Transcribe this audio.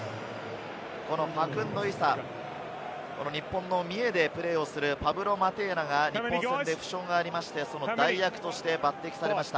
ファクンド・イサ、日本の三重でプレーをするパブロ・マテーラが日本戦で負傷がありまして、代役として抜てきされました。